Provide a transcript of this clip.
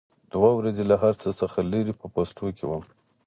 دوه ورځې له هر څه څخه لرې په پوستو کې وم.